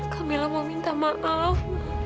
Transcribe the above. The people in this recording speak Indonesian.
kamilah mau minta maaf